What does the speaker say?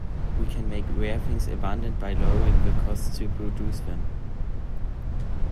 We can make rare things abundant by lowering the costs to produce them.